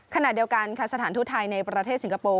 ขณะเดียวกันค่ะสถานทูตไทยในประเทศสิงคโปร์